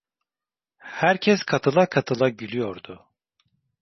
Herkes katıla katıla gülüyordu.